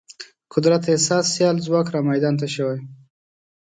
قدرت احساس سیال ځواک رامیدان ته شوی.